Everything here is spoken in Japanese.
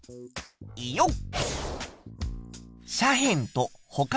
よっ！